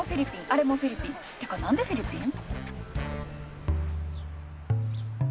あれもフィリピンてか何でフィリピン？